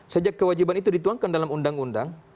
sejak kewajiban itu dituangkan dalam undang undang